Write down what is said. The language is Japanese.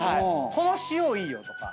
この塩いいよとか。